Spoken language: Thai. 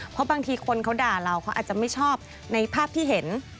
เพราะบางทีคนเขาด่าเราเขาอาจจะไม่ชอบในภาพที่เห็น